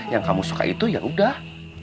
yang kamu suka itu ya udah